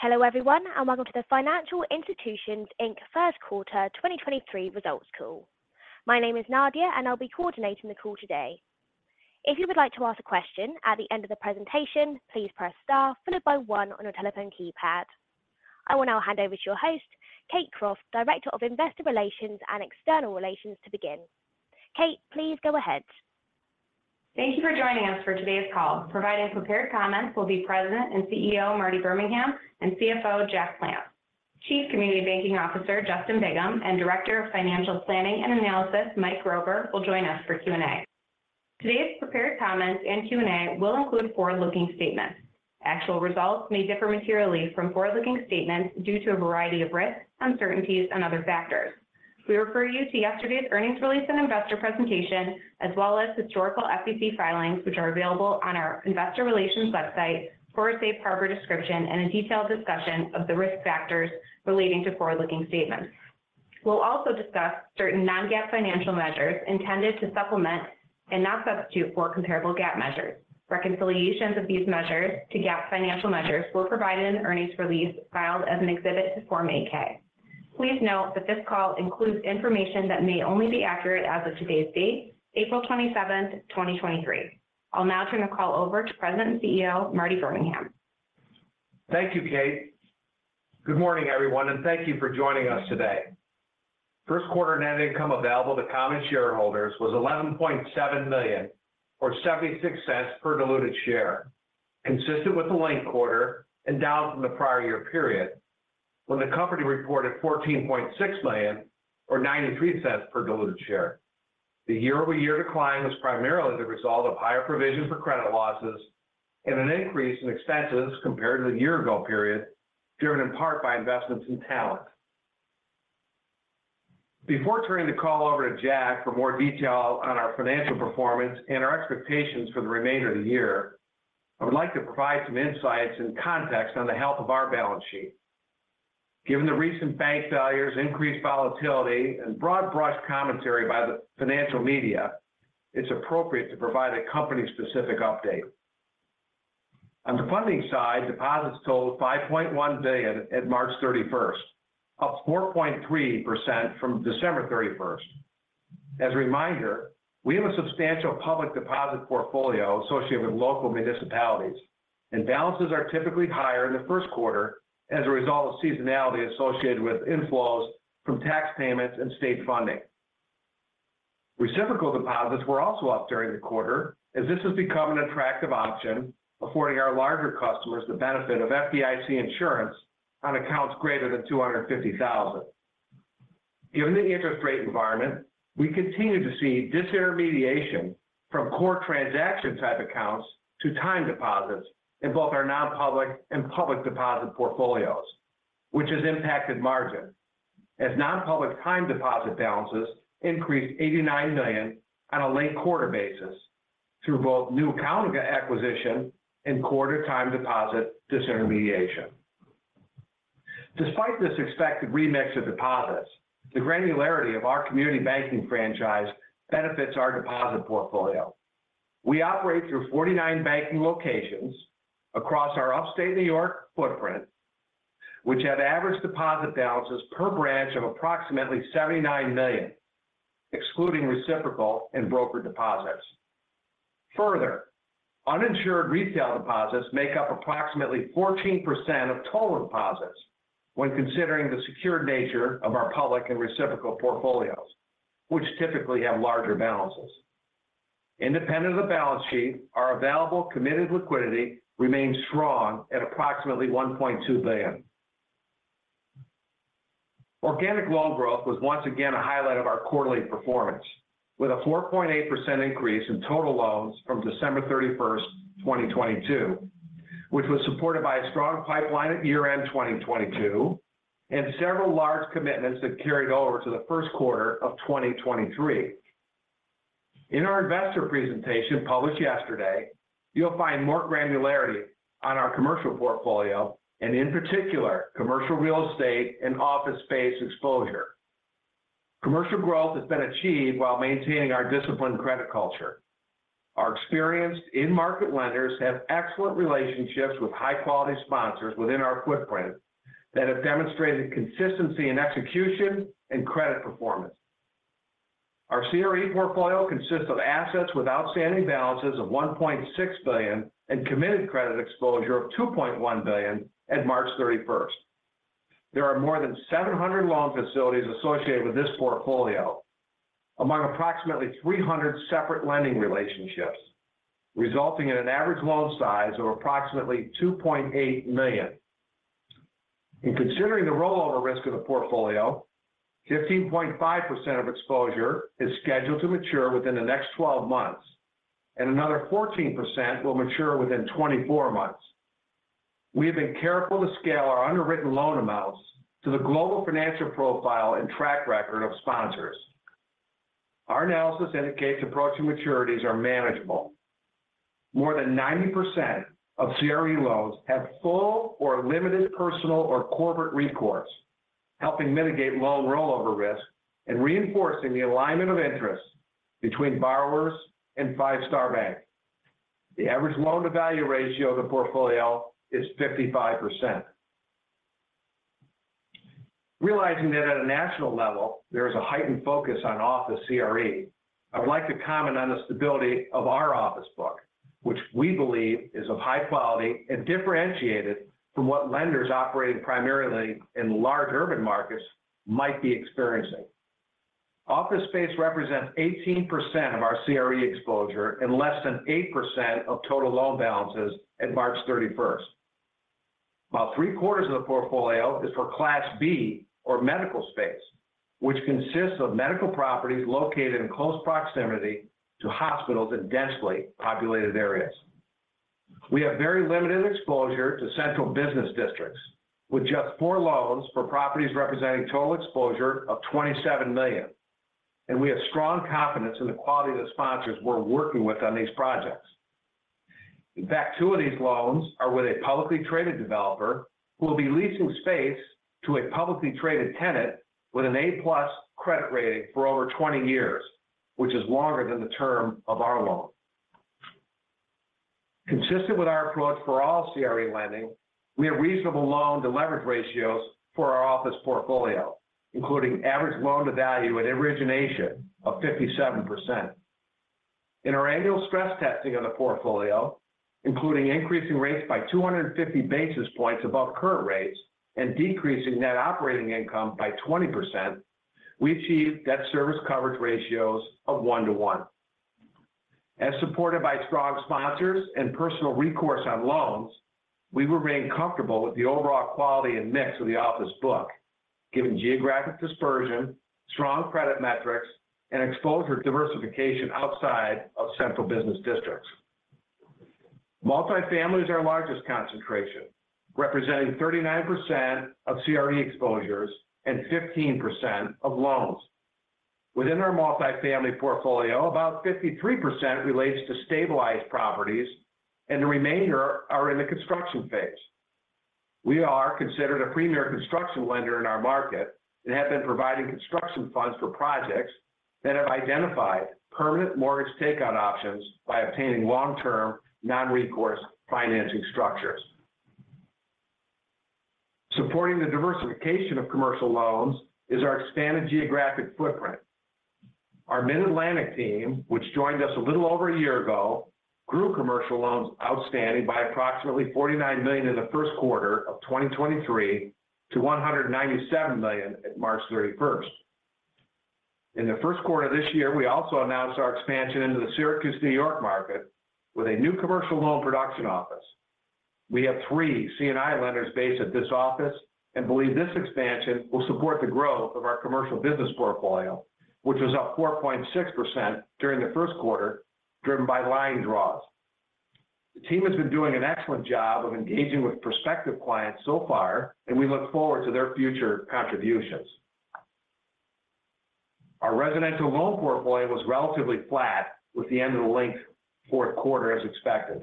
Hello everyone, welcome to the Financial Institutions Inc. Q 2023 results call. My name is Nadia, I'll be coordinating the call today. If you would like to ask a question at the end of the presentation, please press Star followed by one on your telephone keypad. I will now hand over to your host, Kate Croft, Director of Investor Relations and External Relations to begin. Kate, please go ahead. Thank you for joining us for today's call. Providing prepared comments will be President and CEO, Marty Birmingham and CFO, Jack Plants. Chief Community Banking Officer, Justin Bigham, and Director of Financial Planning and Analysis, Mike Grover will join us for Q&A. Today's prepared comments and Q&A will include forward-looking statements. Actual results may differ materially from forward-looking statements due to a variety of risks, uncertainties and other factors. We refer you to yesterday's earnings release and investor presentation as well as historical SEC filings, which are available on our investor relations website for a safe harbor description and a detailed discussion of the risk factors relating to forward-looking statements. We will also discuss certain non-GAAP financial measures intended to supplement and not substitute for comparable GAAP measures. Reconciliations of these measures to GAAP financial measures were provided in the earnings release filed as an exhibit to Form 8-K. Please note that this call includes information that may only be accurate as of today's date, April 27th, 2023. I'll now turn the call over to President and CEO, Marty Birmingham. Thank you, Kate. Good morning, everyone, thank you for joining us today. Q1 net income available to common shareholders was $11.7 million or $0.76 per diluted share, consistent with the linked quarter and down from the prior year period when the company reported $14.6 million or $0.93 per diluted share. The year-over-year decline was primarily the result of higher provision for credit losses and an increase in expenses compared to the year ago period, driven in part by investments in talent. Before turning the call over to Jack for more detail on our financial performance and our expectations for the remainder of the year, I would like to provide some insights and context on the health of our balance sheet. Given the recent bank failures, increased volatility, and broad brush commentary by the financial media, it's appropriate to provide a company-specific update. On the funding side, deposits totaled $5.1 billion at March 31st, up 4.3% from December 31st. As a reminder, we have a substantial public deposit portfolio associated with local municipalities, balances are typically higher in the Q1 as a result of seasonality associated with inflows from tax payments and state funding. Reciprocal deposits were also up during the quarter as this has become an attractive option, affording our larger customers the benefit of FDIC insurance on accounts greater than $250,000. Given the interest rate environment, we continue to see disintermediation from core transaction type accounts to time deposits in both our non-public and public deposit portfolios, which has impacted margin as non-public time deposit balances increased $89 million on a linked quarter basis through both new account acquisition and quarter time deposit disintermediation. Despite this expected remix of deposits, the granularity of our community banking franchise benefits our deposit portfolio. We operate through 49 banking locations across our upstate New York footprint, which have average deposit balances per branch of approximately $79 million, excluding reciprocal and broker deposits. Further, uninsured retail deposits make up approximately 14% of total deposits when considering the secured nature of our public and reciprocal portfolios, which typically have larger balances. Independent of the balance sheet, our available committed liquidity remains strong at approximately $1.2 billion. Organic loan growth was once again a highlight of our quarterly performance with a 4.8% increase in total loans from December 31, 2022, which was supported by a strong pipeline at year-end 2022 and several large commitments that carried over to the Q1 of 2023. In our investor presentation published yesterday, you'll find more granularity on our commercial portfolio and in particular, commercial real estate and office space exposure. Commercial growth has been achieved while maintaining our disciplined credit culture. Our experienced in-market lenders have excellent relationships with high quality sponsors within our footprint that have demonstrated consistency in execution and credit performance. Our CRE portfolio consists of assets with outstanding balances of $1.6 billion and committed credit exposure of $2.1 billion at March 31. There are more than 700 loan facilities associated with this portfolio among approximately 300 separate lending relationships, resulting in an average loan size of approximately $2.8 million. In considering the rollover risk of the portfolio, 15.5% of exposure is scheduled to mature within the next 12 months, and another 14% will mature within 24 months. We have been careful to scale our underwritten loan amounts to the global financial profile and track record of sponsors. Our analysis indicates approaching maturities are manageable. More than 90% of CRE loans have full or limited personal or corporate recourse, helping mitigate low rollover risk and reinforcing the alignment of interests between borrowers and Five Star Bank. The average loan-to-value ratio of the portfolio is 55%. Realizing that at a national level, there is a heightened focus on office CRE, I would like to comment on the stability of our office book, which we believe is of high quality and differentiated from what lenders operating primarily in large urban markets might be experiencing. Office space represents 18% of our CRE exposure and less than 8% of total loan balances at March thirty-first. About three-quarters of the portfolio is for class B or medical space, which consists of medical properties located in close proximity to hospitals in densely populated areas. We have very limited exposure to central business districts, with just four loans for properties representing total exposure of $27 million. We have strong confidence in the quality of the sponsors we're working with on these projects. In fact, two of these loans are with a publicly traded developer who will be leasing space to a publicly traded tenant with an A-plus credit rating for over 20 years, which is longer than the term of our loan. Consistent with our approach for all CRE lending, we have reasonable loan-to-leverage ratios for our office portfolio, including average loan-to-value at origination of 57%. In our annual stress testing of the portfolio, including increasing rates by 250 basis points above current rates and decreasing net operating income by 20%, we achieved debt service coverage ratios of one to 1. Supported by strong sponsors and personal recourse on loans, we remain comfortable with the overall quality and mix of the office book, given geographic dispersion, strong credit metrics, and exposure diversification outside of central business districts. Multifamily is our largest concentration, representing 39% of CRE exposures and 15% of loans. Within our multifamily portfolio, about 53% relates to stabilized properties, and the remainder are in the construction phase. We are considered a premier construction lender in our market and have been providing construction funds for projects that have identified permanent mortgage takeout options by obtaining long-term, non-recourse financing structures. Supporting the diversification of commercial loans is our expanded geographic footprint. Our Mid-Atlantic team, which joined us a little over a year ago, grew commercial loans outstanding by approximately $49 million in the Q1 of 2023 to $197 million at March 31st. In the Q1 of this year, we also announced our expansion into the Syracuse, New York market with a new commercial loan production office. We have three C&I lenders based at this office and believe this expansion will support the growth of our commercial business portfolio, which was up 4.6% during the Q1, driven by line draws. The team has been doing an excellent job of engaging with prospective clients so far, and we look forward to their future contributions. Our residential loan portfolio was relatively flat with the end of the linked Q4 as expected.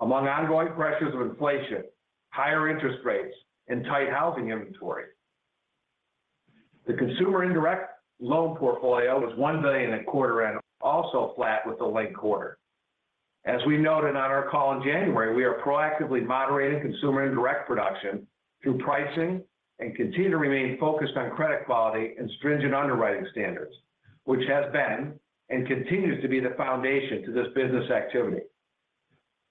Among ongoing pressures of inflation, higher interest rates, and tight housing inventory, the consumer indirect loan portfolio was one billion and a quarter annual, also flat with the linked quarter. As we noted on our call in January, we are proactively moderating consumer indirect production through pricing and continue to remain focused on credit quality and stringent underwriting standards, which has been and continues to be the foundation to this business activity.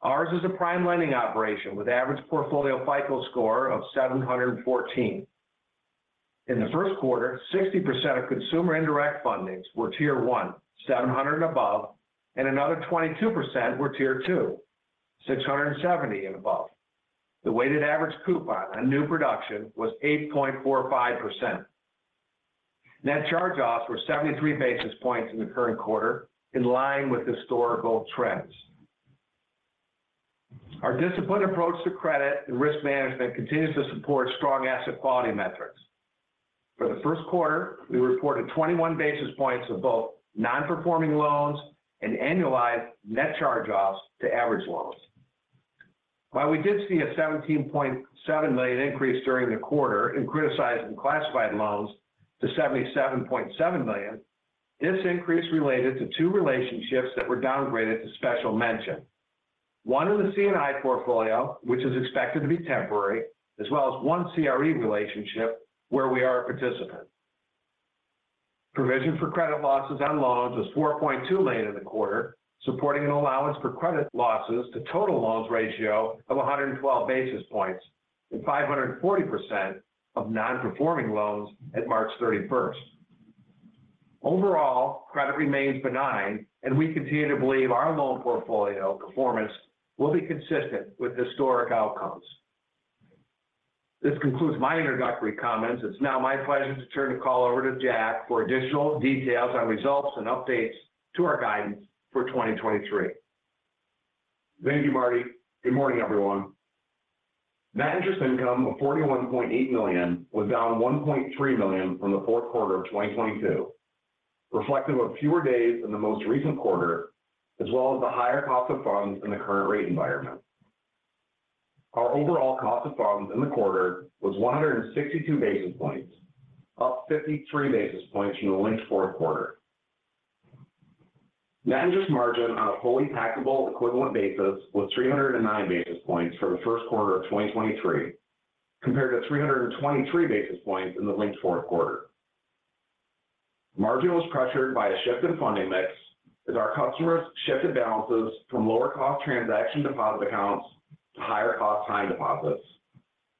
Ours is a prime lending operation with average portfolio FICO score of 714. In the Q1, 60% of consumer indirect fundings were tier one, 700 and above, and another 22% were tier two, 670 and above. The weighted average coupon on new production was 8.45%. Net charge-offs were 73 basis points in the current quarter, in line with historical trends. Our disciplined approach to credit and risk management continues to support strong asset quality metrics. For the Q1, we reported 21 basis points of both non-performing loans and annualized net charge-offs to average loans. While we did see a $17.7 million increase during the quarter in criticized and classified loans to $77.7 million, this increase related to two relationships that were downgraded to special mention. One in the C&I portfolio, which is expected to be temporary, as well as one CRE relationship where we are a participant. Provision for credit losses on loans was $4.2 million in the quarter, supporting an allowance for credit losses to total loans ratio of 112 basis points and 540% of non-performing loans at March 31st. Overall, credit remains benign, and we continue to believe our loan portfolio performance will be consistent with historic outcomes. This concludes my introductory comments. It's now my pleasure to turn the call over to Jack for additional details on results and updates to our guidance for 2023. Thank you, Marty. Good morning, everyone. Net interest income of $41.8 million was down $1.3 million from the Q4 of 2022, reflective of fewer days in the most recent quarter, as well as the higher cost of funds in the current rate environment. Our overall cost of funds in the quarter was 162 basis points, up 53 basis points from the linked Q4. Net interest margin on a fully taxable equivalent basis was 309 basis points for the Q1 of 2023, compared to 323 basis points in the linked Q4. Margin was pressured by a shift in funding mix as our customers shifted balances from lower cost transaction deposit accounts to higher cost time deposits,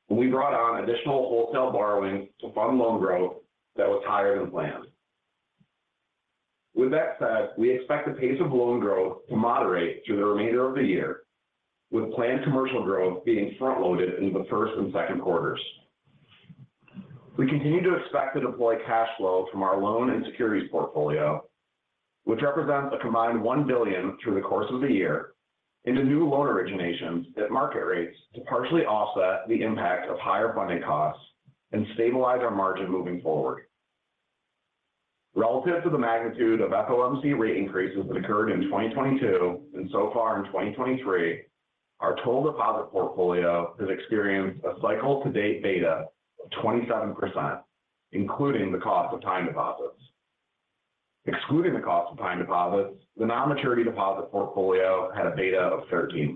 and we brought on additional wholesale borrowing to fund loan growth that was higher than planned. With that said, we expect the pace of loan growth to moderate through the remainder of the year, with planned commercial growth being front-loaded into the first and second quarters. We continue to expect to deploy cash flow from our loan and securities portfolio, which represents a combined $1 billion through the course of the year into new loan originations at market rates to partially offset the impact of higher funding costs and stabilize our margin moving forward. Relative to the magnitude of FOMC rate increases that occurred in 2022 and so far in 2023, our total deposit portfolio has experienced a cycle to date beta of 27%, including the cost of time deposits. Excluding the cost of time deposits, the non-maturity deposit portfolio had a beta of 13%.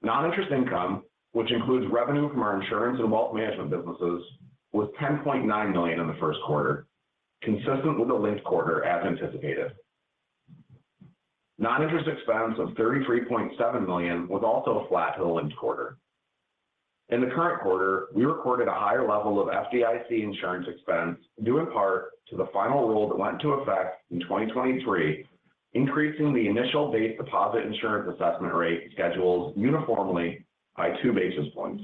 Non-interest income, which includes revenue from our insurance and wealth management businesses, was $10.9 million in the Q1, consistent with the linked quarter as anticipated. Non-interest expense of $33.7 million was also flat to the linked quarter. In the current quarter, we recorded a higher level of FDIC insurance expense, due in part to the final rule that went into effect in 2023, increasing the initial base deposit insurance assessment rate schedules uniformly by 2 basis points,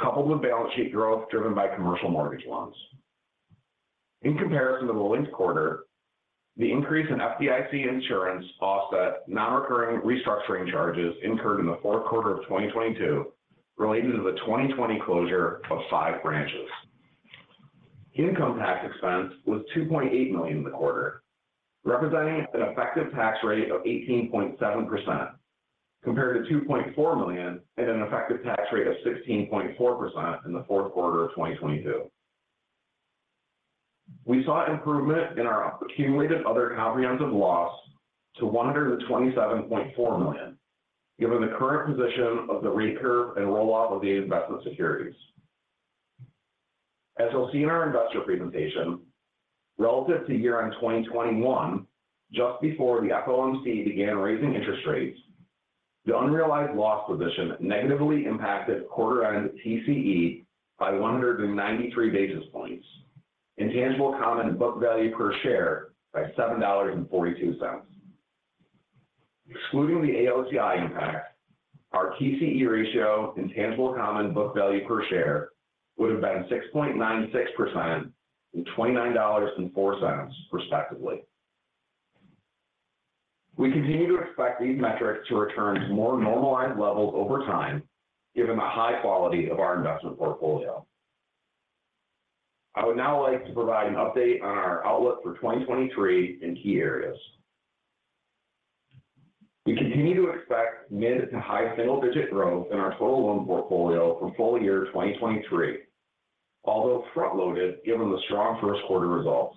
coupled with balance sheet growth driven by commercial mortgage loans. In comparison to the linked quarter, the increase in FDIC insurance offset non-recurring restructuring charges incurred in the Q4 of 2022 related to the 2020 closure of five branches. Income tax expense was $2.8 million in the quarter, representing an effective tax rate of 18.7% compared to $2.4 million at an effective tax rate of 16.4% in the Q4 of 2022. We saw improvement in our accumulated other comprehensive loss to $127.4 million, given the current position of the rate curve and roll-off of the investment securities. As you'll see in our investor presentation, relative to year-end 2021, just before the FOMC began raising interest rates, the unrealized loss position negatively impacted quarter end TCE by 193 basis points, intangible common book value per share by $7.42. Excluding the AOCI impact, our TCE ratio intangible common book value per share would have been 6.96% and $29.04, respectively. We continue to expect these metrics to return to more normalized levels over time given the high quality of our investment portfolio. I would now like to provide an update on our outlook for 2023 in key areas. We continue to expect mid to high single-digit growth in our total loan portfolio for full year 2023, although front-loaded given the strong Q1 results.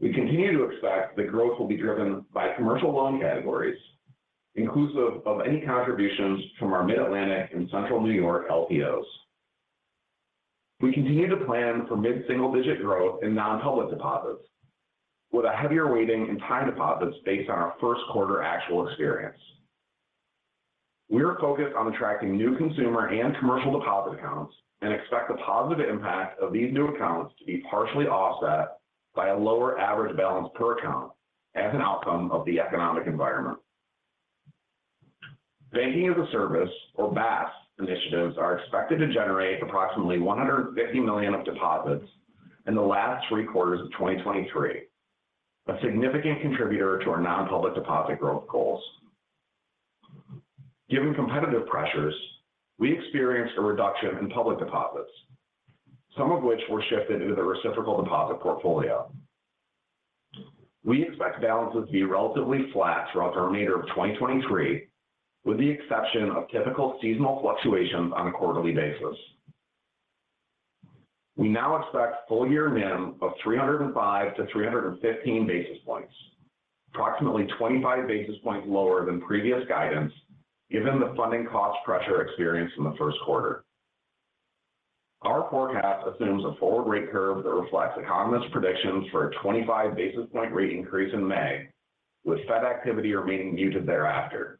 We continue to expect that growth will be driven by commercial loan categories, inclusive of any contributions from our Mid-Atlantic and Central New York LPOs. We continue to plan for mid-single digit growth in non-public deposits with a heavier weighting in time deposits based on our Q1 actual experience. We are focused on attracting new consumer and commercial deposit accounts and expect the positive impact of these new accounts to be partially offset by a lower average balance per account as an outcome of the economic environment. Banking as a Service, or BaaS initiatives are expected to generate approximately $150 million of deposits in the last three quarters of 2023, a significant contributor to our non-public deposit growth goals. Given competitive pressures, we experienced a reduction in public deposits, some of which were shifted into the reciprocal deposit portfolio. We expect balances to be relatively flat throughout the remainder of 2023, with the exception of typical seasonal fluctuations on a quarterly basis. We now expect full year NIM of 305 to 315 basis points, approximately 25 basis points lower than previous guidance given the funding cost pressure experienced in the Q1. Our forecast assumes a forward rate curve that reflects economist predictions for a 25 basis point rate increase in May, with Fed activity remaining muted thereafter.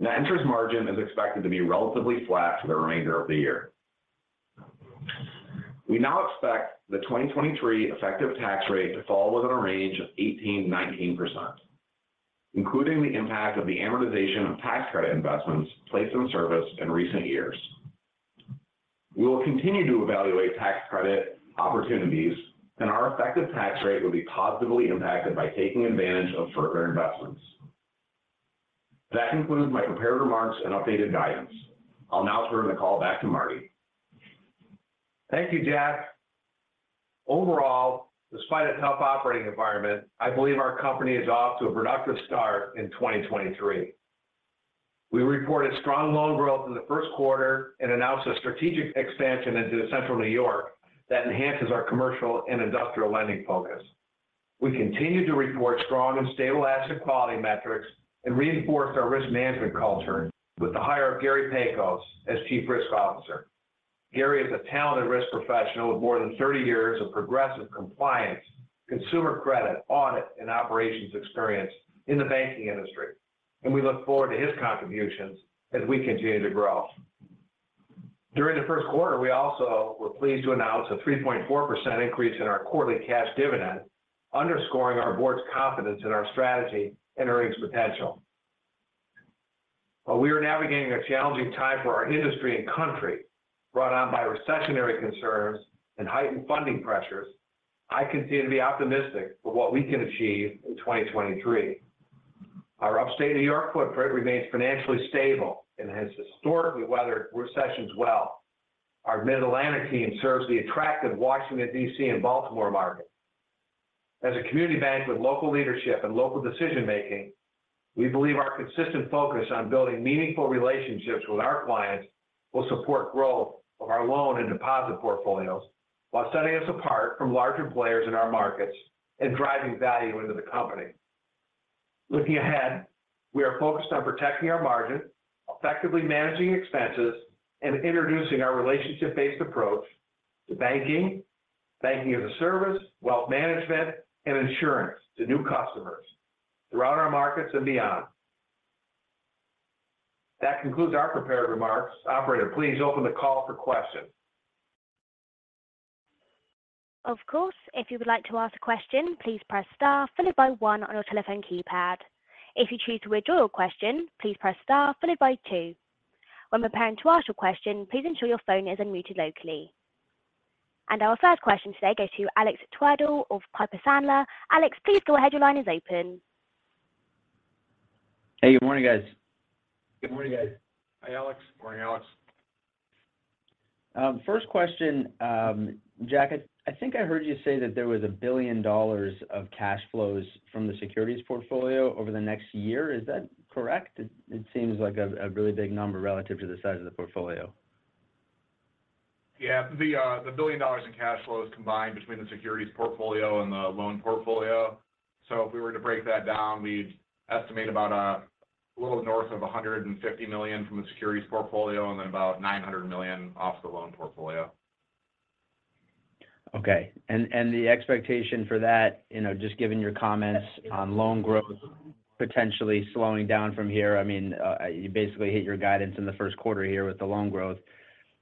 Net interest margin is expected to be relatively flat for the remainder of the year. We now expect the 2023 effective tax rate to fall within a range of 18%-19%, including the impact of the amortization of tax credit investments placed in service in recent years. Our effective tax rate will be positively impacted by taking advantage of further investments. That concludes my prepared remarks and updated guidance. I'll now turn the call back to Marty. Thank you, Jack. Overall, despite a tough operating environment, I believe our company is off to a productive start in 2023. We reported strong loan growth in the Q1 and announced a strategic expansion into Central New York that enhances our commercial and industrial lending focus. We continue to report strong and stable asset quality metrics and reinforce our risk management culture with the hire of Gary Pacos as Chief Risk Officer. Gary is a talented risk professional with more than 30 years of progressive compliance, consumer credit, audit, and operations experience in the banking industry, and we look forward to his contributions as we continue to grow. During the Q1, we also were pleased to announce a 3.4% increase in our quarterly cash dividend, underscoring our board's confidence in our strategy and earnings potential. While we are navigating a challenging time for our industry and country brought on by recessionary concerns and heightened funding pressures, I continue to be optimistic for what we can achieve in 2023. Our Upstate New York footprint remains financially stable and has historically weathered recessions well. Our Mid-Atlantic team serves the attractive Washington, D.C., and Baltimore markets. As a community bank with local leadership and local decision-making, we believe our consistent focus on building meaningful relationships with our clients will support growth of our loan and deposit portfolios while setting us apart from larger players in our markets and driving value into the company. Looking ahead, we are focused on protecting our margin, effectively managing expenses, and introducing our relationship-based approach to banking-as-a-service, wealth management, and insurance to new customers throughout our markets and beyond. That concludes our prepared remarks. Operator, please open the call for questions. Of course. If you would like to ask a question, please press star followed by one on your telephone keypad. If you choose to withdraw your question, please press star followed by two. When preparing to ask your question, please ensure your phone is unmuted locally. Our first question today goes to Alex Twerdahl of Piper Sandler. Alex, please go ahead. Your line is open. Hey, good morning, guys. Good morning, guys. Hi, Alex. Morning, Alex. First question, Jack, I think I heard you say that there was $1 billion of cash flows from the securities portfolio over the next year. Is that correct? It seems like a really big number relative to the size of the portfolio. Yeah. The $1 billion in cash flow is combined between the securities portfolio and the loan portfolio. If we were to break that down, we'd estimate about a little north of $150 million from the securities portfolio and then about $900 million off the loan portfolio. Okay. The expectation for that, you know, just given your comments on loan growth potentially slowing down from here, I mean, you basically hit your guidance in the Q1 here with the loan growth,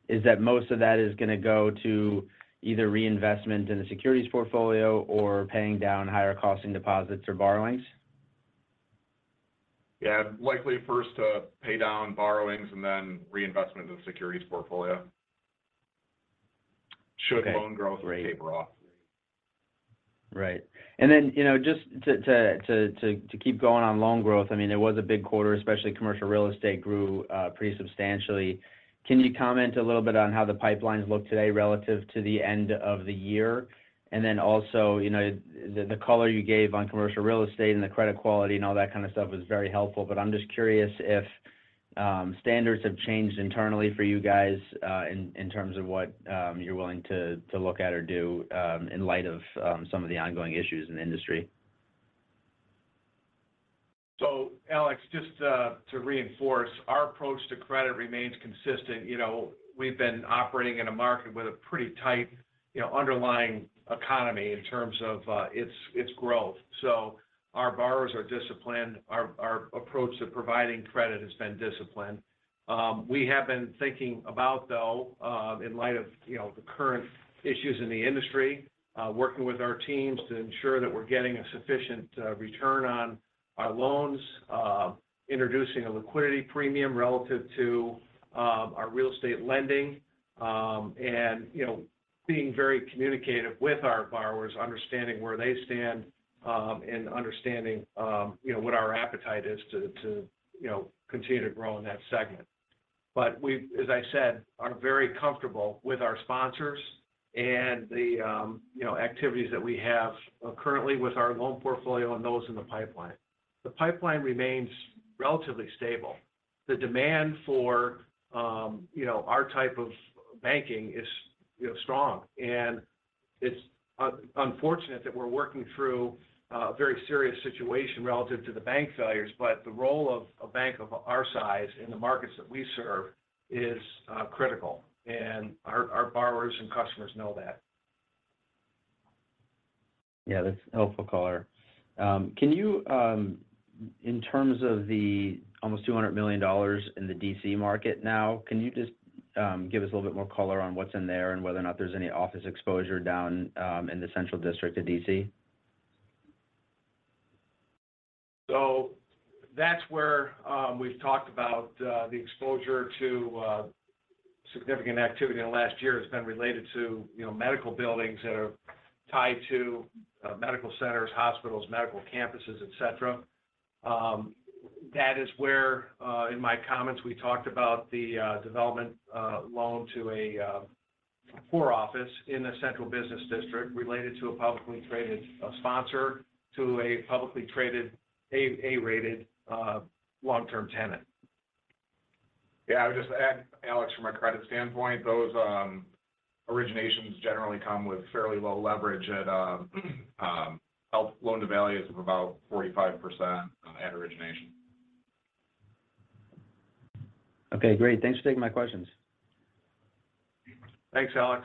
is that most of that is gonna go to either reinvestment in the securities portfolio or paying down higher costing deposits or borrowings? Yeah. Likely first to pay down borrowings and then reinvestment in the securities portfolio- Okay. Great should loan growth taper off. Right. You know, just to keep going on loan growth, I mean, it was a big quarter, especially commercial real estate grew pretty substantially. Can you comment a little bit on how the pipelines look today relative to the end of the year? Also, you know, the color you gave on commercial real estate and the credit quality and all that kind of stuff was very helpful, but I'm just curious if standards have changed internally for you guys in terms of what you're willing to look at or do in light of some of the ongoing issues in the industry. Alex, just to reinforce, our approach to credit remains consistent. You know, we've been operating in a market with a pretty tight, you know, underlying economy in terms of its growth. Our borrowers are disciplined. Our approach to providing credit has been disciplined. We have been thinking about, though, in light of, you know, the current issues in the industry, working with our teams to ensure that we're getting a sufficient return on our loans, introducing a liquidity premium relative to our real estate lending, and, you know, being very communicative with our borrowers, understanding where they stand, and understanding, you know, what our appetite is to, you know, continue to grow in that segment. We've, as I said, are very comfortable with our sponsors and the, you know, activities that we have, currently with our loan portfolio and those in the pipeline. The pipeline remains relatively stable. The demand for, you know, our type of banking is, you know, strong. It's unfortunate that we're working through a very serious situation relative to the bank failures, but the role of a bank of our size in the markets that we serve is critical, and our borrowers and customers know that. Yeah, that's a helpful color. Can you in terms of the almost $200 million in the D.C. market now, can you just give us a little bit more color on what's in there and whether or not there's any office exposure down in the Central District of D.C.? That's where we've talked about the exposure to significant activity in the last year has been related to, you know, medical buildings that are tied to medical centers, hospitals, medical campuses, et cetera. That is where in my comments we talked about the development loan to a core office in the central business district related to a publicly traded sponsor to a publicly traded A-rated long-term tenant. Yeah. I would just add, Alex, from a credit standpoint, those originations generally come with fairly low leverage at loan-to-values of about 45% at origination. Okay, great. Thanks for taking my questions. Thanks, Alex.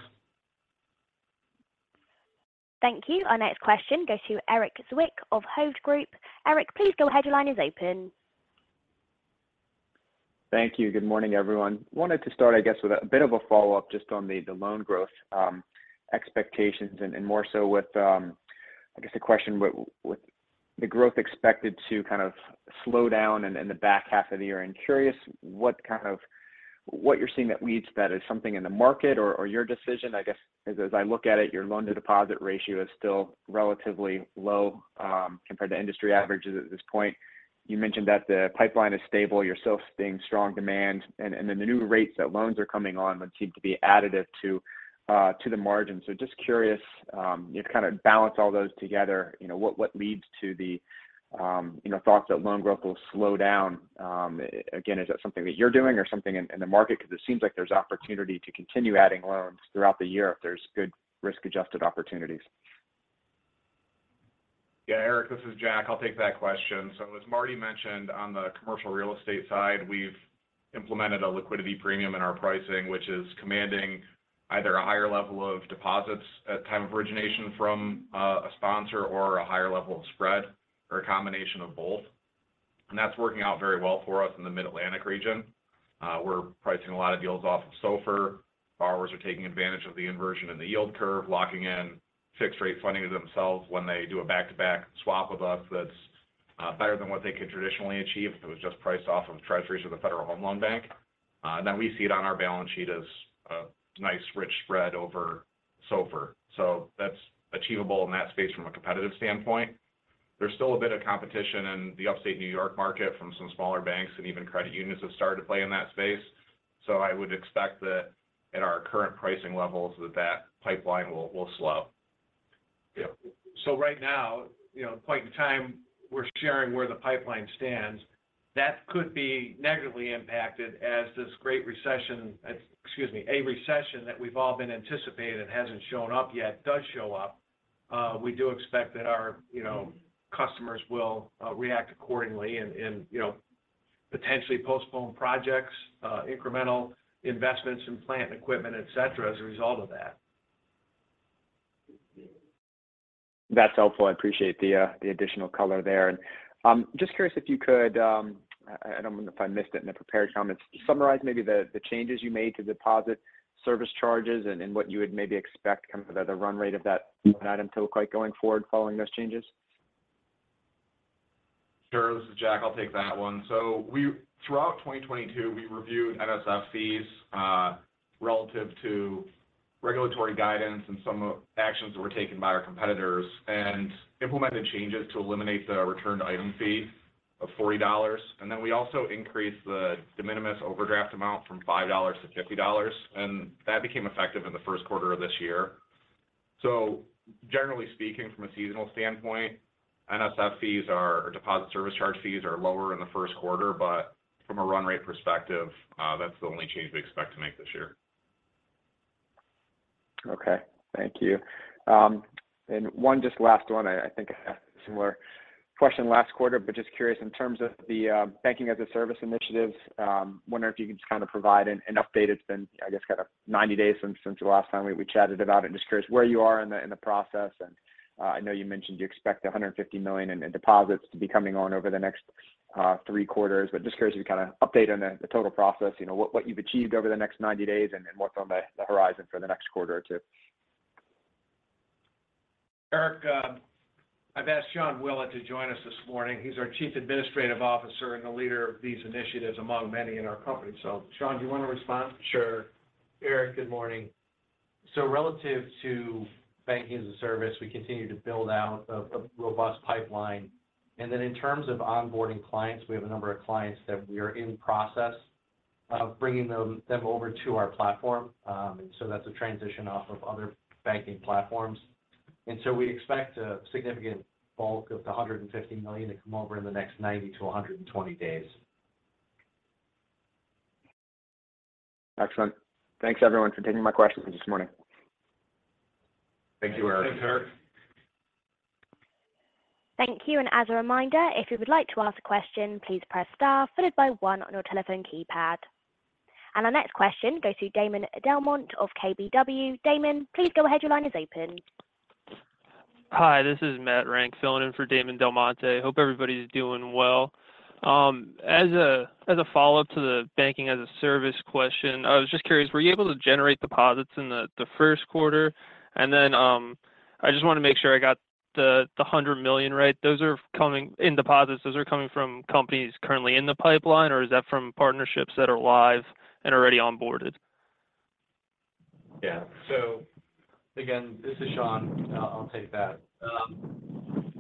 Thank you. Our next question goes to Erik Zwick of Hovde Group. Erik, please go ahead. Your line is open. Thank you. Good morning, everyone. Wanted to start, I guess, with a bit of a follow-up just on the loan growth expectations and more so with, I guess the question with the growth expected to kind of slow down in the back half of the year. I'm curious what you're seeing that leads that. Is something in the market or your decision? I guess, as I look at it, your loan-to-deposit ratio is still relatively low compared to industry averages at this point. You mentioned that the pipeline is stable. You're still seeing strong demand and then the new rates that loans are coming on would seem to be additive to the margin. Just curious, you kind of balance all those together, you know, what leads to the, you know, thoughts that loan growth will slow down? Again, is that something that you're doing or something in the market? Because it seems like there's opportunity to continue adding loans throughout the year if there's good risk-adjusted opportunities. Yeah, Erik, this is Jack. I'll take that question. As Marty mentioned on the commercial real estate side, we've implemented a liquidity premium in our pricing, which is commanding either a higher level of deposits at time of origination from a sponsor or a higher level of spread or a combination of both. That's working out very well for us in the Mid-Atlantic region. We're pricing a lot of deals off of SOFR. Borrowers are taking advantage of the inversion in the yield curve, locking in fixed rate funding to themselves when they do a back-to-back swap with us that's better than what they could traditionally achieve if it was just priced off of Treasuries or the Federal Home Loan Bank. Then we see it on our balance sheet as a nice rich spread over SOFR. That's achievable in that space from a competitive standpoint. There's still a bit of competition in the upstate New York market from some smaller banks and even credit unions have started to play in that space. I would expect that at our current pricing levels, that that pipeline will slow. Yep. Right now, you know, the point in time we're sharing where the pipeline stands, that could be negatively impacted as this great recession, excuse me, a recession that we've all been anticipating that hasn't shown up yet does show up. We do expect that our, you know, customers will react accordingly and, you know, potentially postpone projects, incremental investments in plant and equipment, et cetera, as a result of that. That's helpful. I appreciate the additional color there. Just curious if you could, I don't know if I missed it in the prepared comments, summarize maybe the changes you made to deposit service charges and what you would maybe expect kind of the run rate of that item to look like going forward following those changes. Sure. This is Jack. I'll take that one. Throughout 2022, we reviewed NSF fees relative to regulatory guidance and some of actions that were taken by our competitors and implemented changes to eliminate the returned item fee of $40. We also increased the de minimis overdraft amount from $5 to $50, and that became effective in the Q1 of this year. Generally speaking, from a seasonal standpoint, NSF fees or deposit service charge fees are lower in the Q1, but from a run rate perspective, that's the only change we expect to make this year. Okay. Thank you. One just last one, I think I asked a similar question last quarter, but just curious in terms of the Banking-as-a-Service initiative, wondering if you can just kind of provide an update. It's been, I guess, kind of 90 days since the last time we chatted about it, and just curious where you are in the process. I know you mentioned you expect $150 million in deposits to be coming on over the next three quarters, but just curious your kind of update on the total process, you know, what you've achieved over the next 90 days and what's on the horizon for the next quarter or two. Erik, I've asked Sean Willett to join us this morning. He's our Chief Administrative Officer and the leader of these initiatives among many in our company. Sean, do you want to respond? Sure. Erik, good morning. Relative to banking as a service, we continue to build out a robust pipeline. In terms of onboarding clients, we have a number of clients that we are in process of bringing them over to our platform. That's a transition off of other banking platforms. We expect a significant bulk of the $150 million to come over in the next 90 to 120 days. Excellent. Thanks everyone for taking my questions this morning. Thank you, Erik. Thanks, Erik. Thank you. As a reminder, if you would like to ask a question, please press star followed by one on your telephone keypad. Our next question goes to Damon DelMonte of KBW. Damon, please go ahead. Your line is open. Hi, this is Matt Renck filling in for Damon DelMonte. Hope everybody's doing well. As a follow-up to the banking-as-a-service question, I was just curious, were you able to generate deposits in the Q1? I just want to make sure I got the $100 million right. In deposits, those are coming from companies currently in the pipeline, or is that from partnerships that are live and already onboarded? Yeah. Again, this is Sean. I'll take that.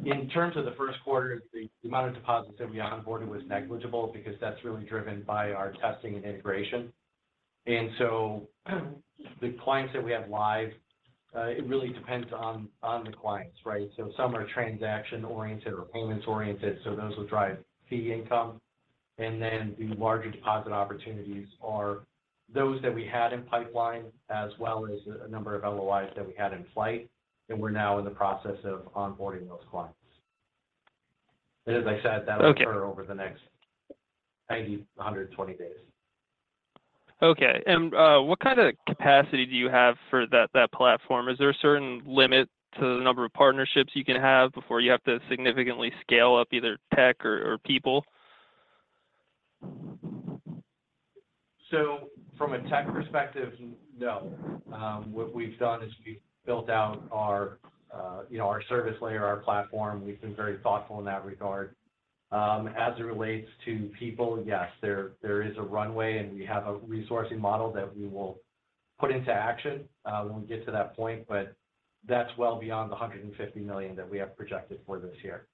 In terms of the Q1, the amount of deposits that we onboarded was negligible because that's really driven by our testing and integration. The clients that we have live, it really depends on the clients, right? Some are transaction-oriented or payments-oriented, so those will drive fee income. Then the larger deposit opportunities are those that we had in pipeline, as well as a number of LOIs that we had in flight, and we're now in the process of onboarding those clients. As I said. Okay... will occur over the next 90, 120 days. Okay. What kind of capacity do you have for that platform? Is there a certain limit to the number of partnerships you can have before you have to significantly scale up either tech or people? From a tech perspective, no. What we've done is we've built out our, you know, our service layer, our platform. We've been very thoughtful in that regard. As it relates to people, yes, there is a runway, and we have a resourcing model that we will put into action when we get to that point, but that's well beyond the $150 million that we have projected for this year.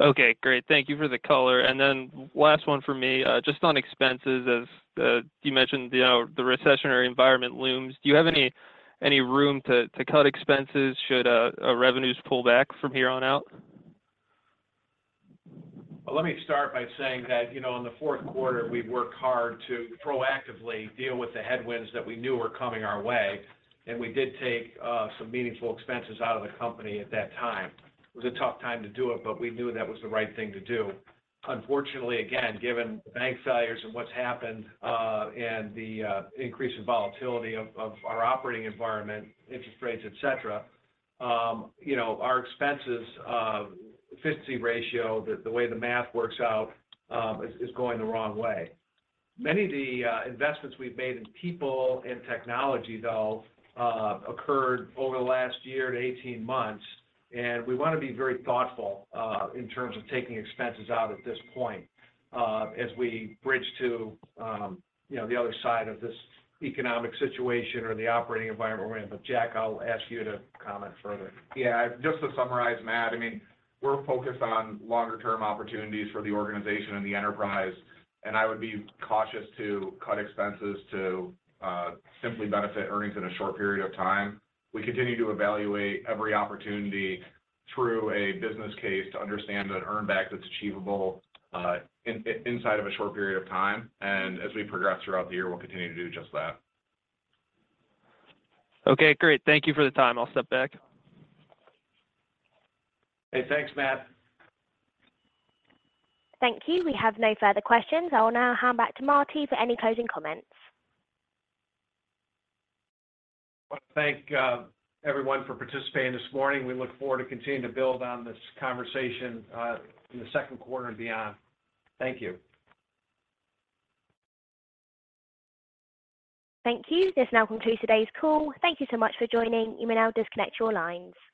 Okay, great. Thank you for the color. Then last one for me. Just on expenses, as you mentioned, you know, the recessionary environment looms. Do you have any room to cut expenses should revenues pull back from here on out? Well, let me start by saying that, you know, in the Q4, we worked hard to proactively deal with the headwinds that we knew were coming our way. We did take some meaningful expenses out of the company at that time. It was a tough time to do it, but we knew that was the right thing to do. Unfortunately, again, given the bank failures and what's happened, and the increase in volatility of our operating environment, interest rates, et cetera, you know, our expenses, efficiency ratio, the way the math works out, is going the wrong way. Many of the investments we've made in people and technology, though, occurred over the last year to 18 months, and we wanna be very thoughtful in terms of taking expenses out at this point, as we bridge to, you know, the other side of this economic situation or the operating environment we're in. Jack, I'll ask you to comment further. Just to summarize, Matt, I mean, we're focused on longer term opportunities for the organization and the enterprise. I would be cautious to cut expenses to simply benefit earnings in a short period of time. We continue to evaluate every opportunity through a business case to understand that earn back that's achievable inside of a short period of time. As we progress throughout the year, we'll continue to do just that. Okay, great. Thank you for the time. I'll step back. Hey, thanks, Matt. Thank you. We have no further questions. I will now hand back to Marty for any closing comments. I wanna thank everyone for participating this morning. We look forward to continuing to build on this conversation in the Q2 and beyond. Thank you. Thank you. This now concludes today's call. Thank you so much for joining. You may now disconnect your lines.